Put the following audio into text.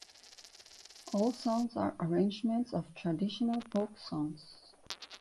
All songs are arrangements of traditional folk songs.